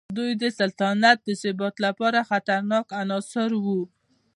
دوی د سلطنت د ثبات لپاره خطرناک عناصر وو.